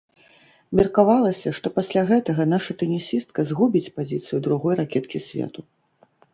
Меркавалася, што пасля гэтага наша тэнісістка згубіць пазіцыю другой ракеткі свету.